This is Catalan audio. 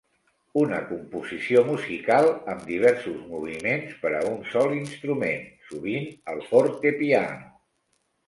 Una composició musical amb diversos moviments per a un sol instrument, sovint el fortepiano.